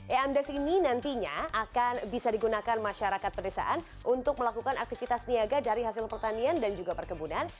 emdes ini nantinya akan bisa digunakan masyarakat pedesaan untuk melakukan aktivitas niaga dari hasil pertanian dan juga perkebunan